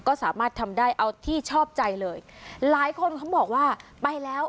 ก็สามารถทำได้เอาที่ชอบใจเลยหลายคนเขาบอกว่าไปแล้ว